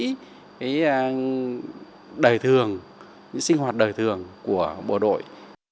những đời thường những sinh hoạt đời thường của bộ đội